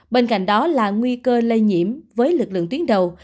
bên cạnh đó là nguy cơ lây nhiễm với lực lượng tuyến đầu